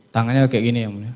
tangannya kayak gini yang mulia